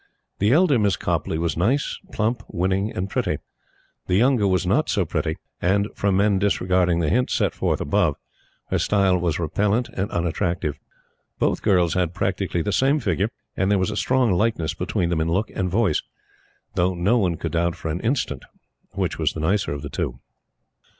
The elder Miss Copleigh was nice, plump, winning and pretty. The younger was not so pretty, and, from men disregarding the hint set forth above, her style was repellant and unattractive. Both girls had, practically, the same figure, and there was a strong likeness between them in look and voice; though no one could doubt for an instant which was the nicer of the two.